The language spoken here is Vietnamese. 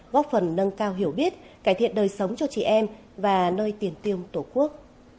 góp phần nâng cao hiểu biết cải thiện đời sống cho chị em và nơi tiền tiêu tổ quốc